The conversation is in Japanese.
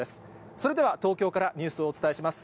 それでは、東京からニュースをお伝えします。